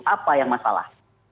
apa yang masalah